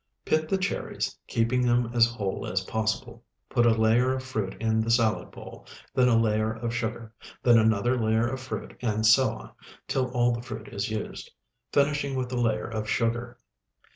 Pit the cherries, keeping them as whole as possible. Put a layer of fruit in the salad bowl, then a layer of sugar, then another layer of fruit, and so on, till all the fruit is used, finishing with a layer of sugar.